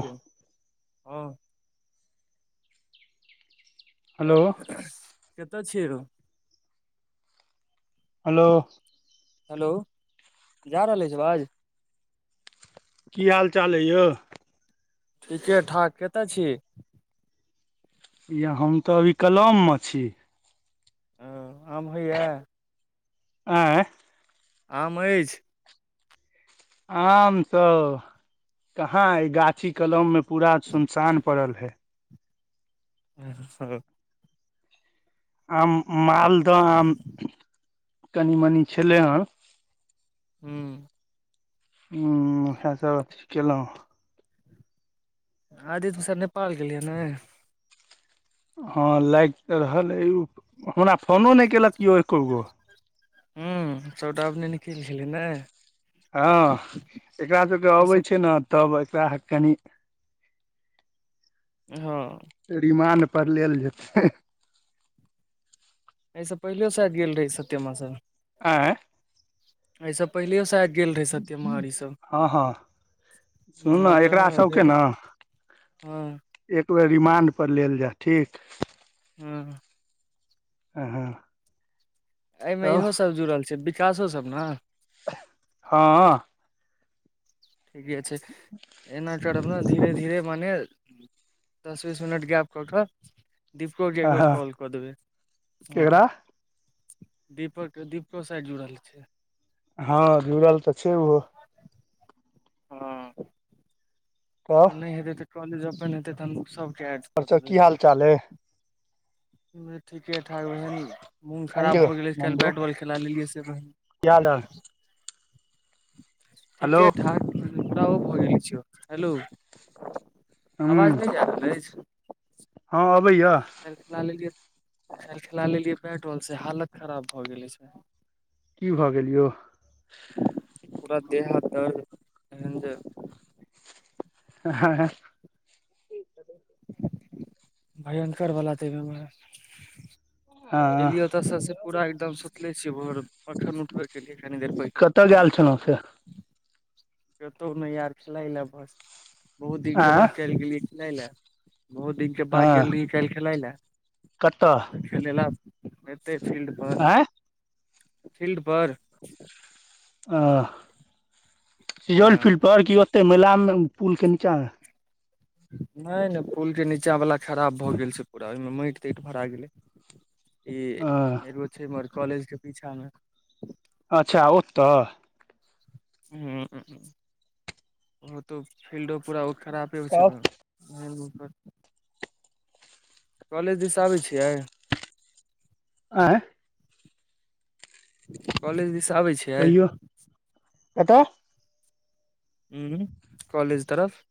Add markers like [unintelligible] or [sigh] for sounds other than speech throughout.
हँ हेलो कतय छिये रो हेलो हेलो जा रहल अछि आज की हाल चाल अइ यौ ठीके ठाक कतय छी हेया हम तऽ अभी कलममे छी ओ आम होइ ये आँइ आम अछि आम सब कहाँ ए गाछी कलम मे पूरा सुनसान पड़ल हेय ओ आम मालदह आम कनी मनी छले हेन हूँ हूँ उहे सब अथि केलहुँ आदित्य ओसब नेपाल गेलैय नाइ हँ लागि तऽ रहल ओ हमरा फोनो नहि केलक कियौ एकोगो हूँ सभटा अपने निकल गेलै नै हँ एकरा सबके अबै सब छै न तब एकरा कनि हँ त रिमान्ड पर लेल जेतै एहिसँ पहिलेयो साइद गेल रहै सत्यमा सब आँय एहिसँ पहिलेयो साइद गेल रहै सत्यमा और ईसभ हँ हँ सुनू हँ ने एकरा सबके ने हँ एक बेर रिमांड पर लेल जाए ठीक हूँ आहाँ एहिमे इहोसभ जुड़ल छय विकासोसभ ने हँ ठीके छय एना धीर धीे मने दस बीस मिनट गैप कऽ दीपकर ग एकबर हँ कॉल कऽ देब केकरा हं दीपक दीपको साइड जुड़ल थिन हँ जुड़ल तऽ छय ओहो हं तब आओर नहि हेते तऽ कॉलेज हेै त और सब की हाल चाल अइ ठीके ठाक बहन मोन आँय खराब यौ भऽ गेलै काल्ह नन्दू बैट बॉल खेला लेलियै से बहीन की हाल हेलो ठीके ठाकरा ओ घर ल छ हेलो हूँ अवाज नहि जाब रहय हँ अबैया ल खिला लेलियए खाल खिला लेलियै बैट बॉल से हालत खराब भए गेले छै की भऽ गेल यउ पूरा देह हाथ दर्द एहन छय हँ भयङंकरवला देब एलियै ओतऽसँसँ पूरा एकदम सुतले छियै भोर मखन उठबैके लिए कनि देर पहिले लऽ छल फेर कतहु नय यार खेलाय लए बस बहुत दिनक के आँय बाद चल गेलियै खेलै लए बहुत दिनके बाद गेल रहियै काल्ह खेलाय लए कतअ खेलेला हतै फील्ड पर आँय फील्ड पर ह सजौल फील्ड हँ पर क ओते मेलामे पुलके नीचाँमे नय नय पुल के नीचा वालला खराब भऽ गेल से पूरा ओहिमे माटि ताटि भरा गेलै ई हँ एगो छैमर कॉलेज के पीछा में अच्छा ओतऽ हं ओ तऽ फिल्डो पूरा ओ खरापे होइ तब छय कॉलेज दिस आबै छियइ आ कॉलेज दिस आबै छियै कहियौ कतऽ हं कॉलेज तरफ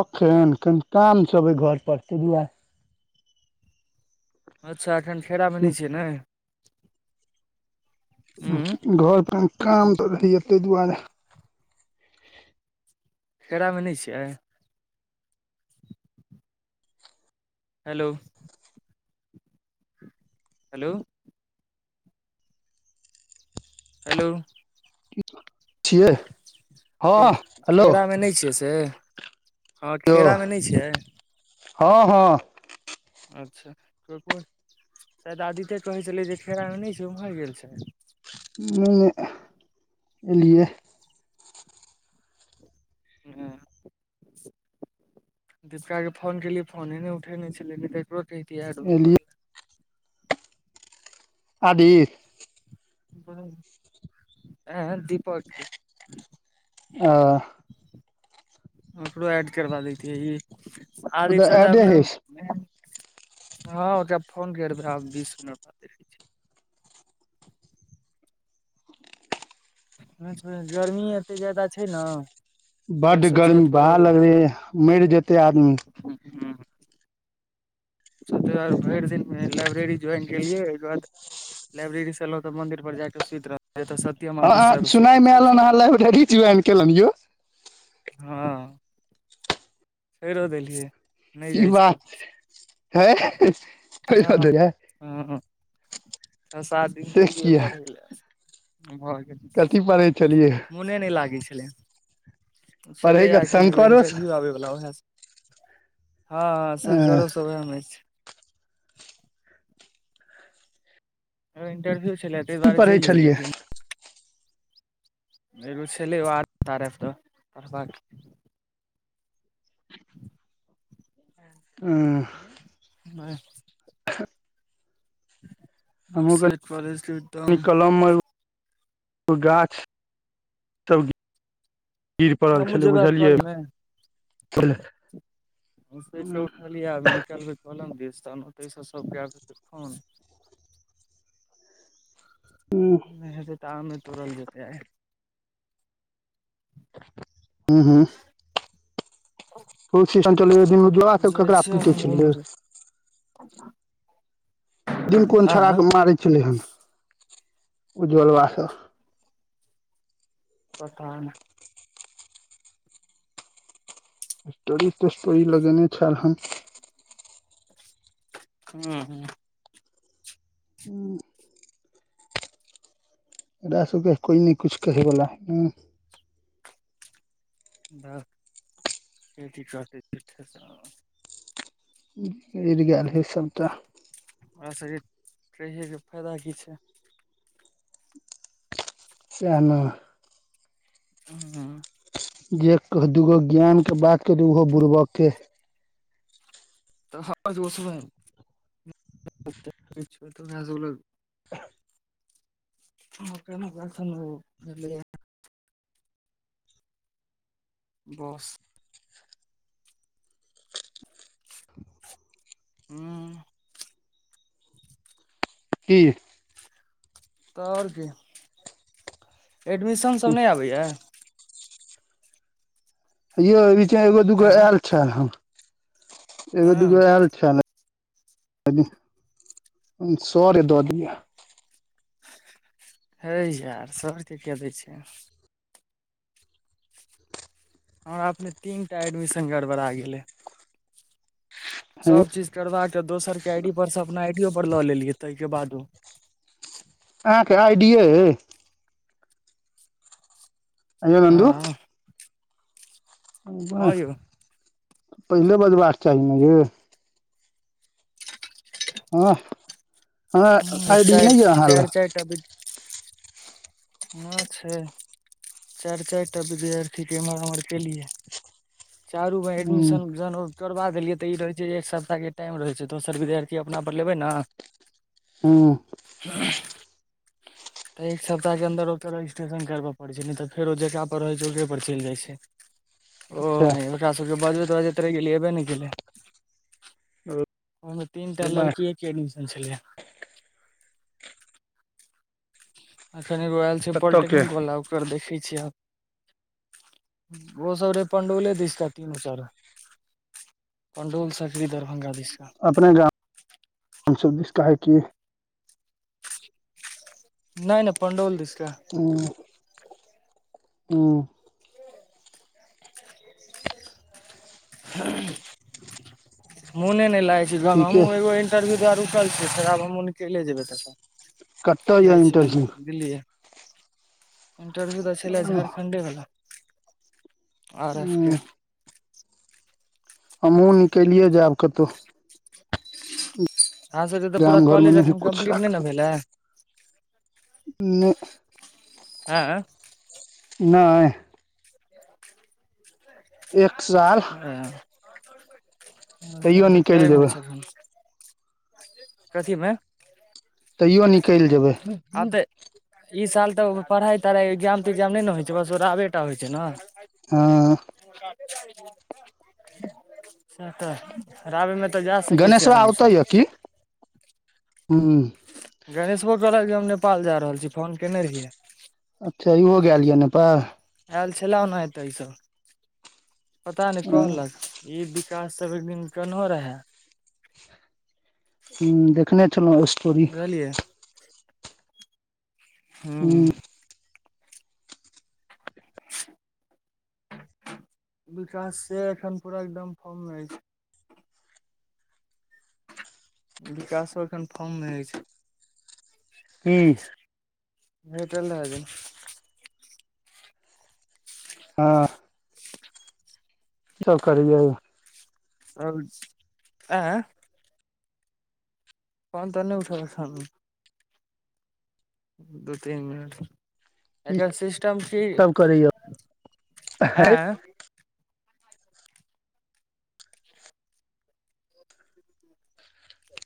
एखन कनि काम छबै घर पर तहि दुआरे अच्छा अखन खेरा में नहि छियै ने उंम्म घरपर काम तऽ रहैयए तहि दुआरे केरा में नहि छियै हेलो हेलो हेलो छियै खे हँ हेलो खेरा में नहि छियै से हँ यौ खेरामे नहि छियै हँ हँ अच्छा को शायद आदिते कहै छलै जे फेरामे नहि छै ओम्हर गेल छल में एलियै हँ दीपिका के फोन केलियै फोने ने उठेने छलै नइ तरो कहि एलियै अदी हँ दीपक आ ओकरो ऐड करबा लति है ई आर इ उधर तऽ एडे ने हस हँ ओब फोन करबै बीस मिनट बाते गर्मी एतेक जादा छय ने बार बड्ड से गर्मी छत परो बहा लगले मैर जेते आदमी भरि दिन में लाइब्रेरी ज्वाइन केलियै ओहिके बाद लाइब्रेरी से एलौ तऽ मन्दिर जाके सुध रह हँ अहाँ सुनाय में आल हह लाइब्रेरी ज्वाइन केललनि यौ हँ छरो देलियै नय की जाइ छिय बात आब है बधरय हं छ सात दिन गेलियै किया पढ़य लए भऽ गेल कथी पे चलिये मोने नहि लागै छलै ओ छलैए पढ़ैके एखन एगो शंकरो अ इन्टरव्यू आबैवला ओएह हँ ह सनगरो सब ओह में छै इंटरव्यू छलइ तहि की दुआरे पढ़ै जइयै छलियै लेकिन एगो छलै आर तऽ पढ़बाक हं ह [unintelligible] नय हमक सेट कॉलेज के एकदम कलम [unintelligible] ओ गाछसभ गिर पड़ल हमहूँ छलय जेबै आब बुझलियै कलमे त [inaudible] सुति उठलियै निकलबै कहल देश तह ओत सब गे खन नय हेतै तऽ आमे तोड़ल जेतै आइ हूहूँ बहुत सीन चिन जा सब जाइ केकरा छियै पीटे हम छलियै उम्हरे [unintelligible] [inaudible] दिन कोन छौड़ा आँ के मारय छलै हन उज्जवलबा स पता ने स्टोरी ते स्टोरी लगेने छल हुँ हूँ कोइ न कुछ के बोला दस चठ चौ गड़ गेल हइ सभटा ओकरा सबके कहिके फायदा की छय सैहने हं हं जे कह दूगो ज्ञान के बात कर ओहो बुड़बक के तऽ हं जोस भै [inaudible] ह [inaudible] म बख बस हूँ की तऽ और की एडमिशन सब नइ आबैया यौ बीचा एगो दूगो एँ आयल छैल ह एगो हँ दूगो आयल छैल सर दऽ दिअ है यार सर के किया दय छे हमरा अपने तीन टा एडमिशन गड़बड़ा गेलय हे सब चीज करवा के दोसर के आई डी पर से अपना आई डीयो पर लऽ लेलियै तइके बादो अहाँके आईडी यइ अय नेन्द [inaudible] हँ हँ यौ पहिले बजबाक चाही ने यउ हँ हँ आइडी नइ अयऽ अहाँ लए तब हं छै चारि चारि टा विद्यार्थी के एम्हर उम्हर केलियै चारू भय हूँ एडमिशनन करबा देलियै तऽ ई रहै छै जे एक सप्ताह के टाइम रहै छै दोसर विद्यार्थी अपना पर लेबै न हुँ हँ तऽ एक सप्ताह के अन्दर ओकर रजिस्ट्रेशन करब पड़े छै नइ तऽ फेर ओ जेकरा पर रहे छै ओेकरे पर चलि जाय छै [unintelligible] ओ ओकरा सभके बजबैत बाजैत रहि गेलै अयबे ने केलै ओहिमे तीन टा लड़कीके एडमिशन छलय एखन एगो आयल छै कतऽ के पॉलिटेक्निक वला ओकर देखै छियै आब ओ सब रहे पणडौले दिशका तीनू चार पणडोल सकरी दरभंगा जिलामें अपने गाम हमसब दिस कहै की नइ नइ पंडौल दिसका हँ हँ ह [inaudible] मैने ने लागे अइछ ठीके इन्टरव्यूआर उठलियै फे आब हम ओ निकले जेबै तखन कतऽ यऽ जाइ छी इंटरव्यू कनि दिल्लीए इंटरव्यू तऽ छलै हूँ झारखण्डे वला आर एफ के हमहुँ निकलिये जायब कतहु आहाँ सबके तऽ पूरा गाम घर मे कॉलेज नहि अखन कुछ कम्प्लीट नइ न राखल भेलै [inaudible] [inaudible] है नाए [inaudible] एक साल तैयो निकलि जेबै [unintelligible] [inaudible] कथी मे तैयो निकलि जेबै आब तऽ ई साल तऽ पढ़ाइ तढ़ाइ एग्जाम तग्जाम नइ न होइ छै बस ओराबे टा होइ छै न हँ [unintelligible] [unintelligible] जा सकै छीयै गणेशवा आरामसँ ओतऽ यऽ की [unintelligible] गणेश भो कहक जे हम नेपाल जा रहल छी फोन केने रहियै अच्छ इहो गेल यऽ नेपाल आयल छले ओना हेते ई सब [inaudible] पता नहि हूँ कहलक ई विकास त एक दिन केनो रहे हूं देखने छलहुँ स्टोरी बुझलियै हूँ हूं विकास से एखन पूरा एकदम फम म ऐछ विकासो एखन फर्म मे छै की [unintelligible] हँ की सब करैए [unintelligible] फोन तोन नइ उठबै छैन [inaudible] दू तीन मिनट की एकर सिस्टेम कि सब करै यौ [inaudible] आँय आएँ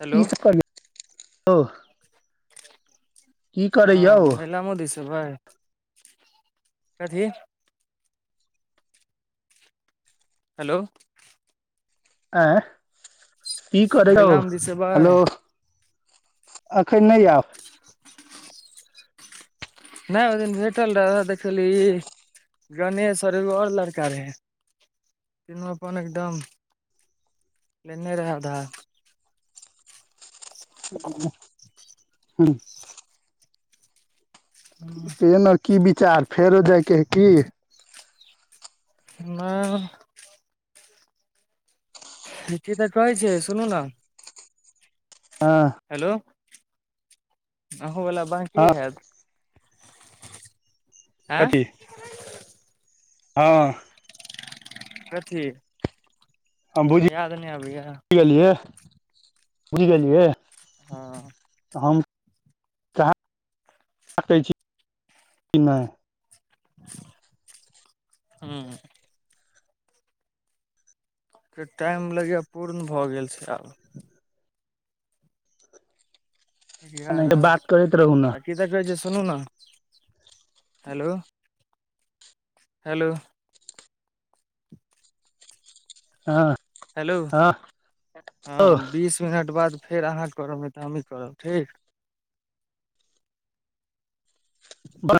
हेलो हँ [unintelligible] यौ की [inaudible] करै यौ हँ महिलामों दिश आबै कथी हेलो आँ [unintelligible] महिलाम दिस एबै हेलो एखन नहि आओं नहि ओहि दिन भेटल रह ओहे देखली गणेश और एगो और लड़का रहै तीनो अपन एकदम लेने रहै अधार [unintelligible] आधार पी न की विचार फेरो जायके है की नइ ठिके तऽ कहै छै सुनू ने ह [unintelligible] हेलो [inaudible] अहूँ वला बाँ की हँ हैत आँ कथी हँ कथी याद न अभय गेलिय बुझ गेलियइ हँ हम कहाँ सकै छी कि नइ [unintelligible] हूँ के टाइम लगैए पूर्ण भऽ गेल छय आब नहि तऽ बात एगारह करैत रहू ने की तऽ कहै छै सुनू ने हेलो हेलो हँ हेलो हँ यौ हँ बीस मिनट बाद फेर अहाँ करब नहि तऽ हमहीँ करब ठीक बाह